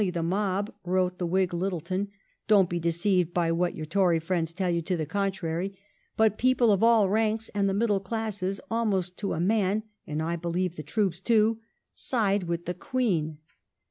40 PEACE WITHOUT PLENTY [1815 mob," wrote the Whig Lyttelton, (" don't be deceived by what your Tory friends tell you to the contrary), but people of all ranks, and the middle classes almost to a man, and I believe the troops too, side with the Queen."